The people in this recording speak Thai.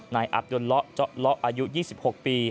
นายอับยนต์ล๊อจ๊อลล๊ออายุ๒๖ปี